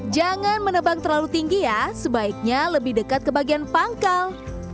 jangan menebang terlalu tinggi ya sebaiknya lebih dekat ke bagian pangkal